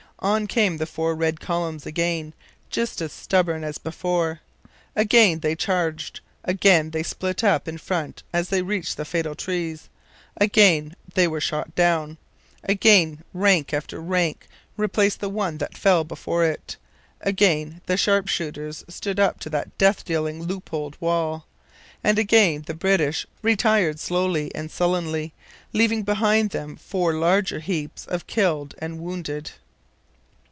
On came the four red columns again, just as stubborn as before. Again they charged. Again they split up in front as they reached the fatal trees. Again they were shot down. Again rank after rank replaced the one that fell before it. Again the sharpshooters stood up to that death dealing loopholed wall. And again the British retired slowly and sullenly, leaving behind them four larger heaps of killed and wounded.